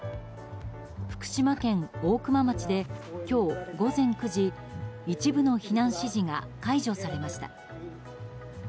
福島県大熊町で今日午前９時一部の避難指示が解除されました。